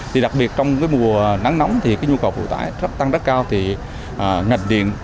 thì đặc biệt trong cái mùa nắng nóng thì cái nhu cầu phụ tải tăng rất cao thì ngành điện